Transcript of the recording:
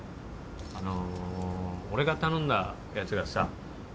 あの俺が頼んだやつがさ